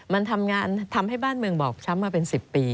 มันทำงานทำให้บ้านเมืองบอบช้ำมาเป็น๑๐ปี